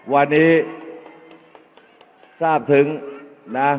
วันนี้ทราบถึงนะ